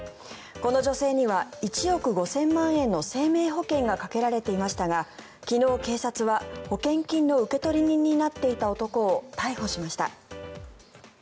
この女性には１億５０００万円の生命保険がかけられていましたが昨日、警察は保険金の受取人になっていた男を逮捕しました。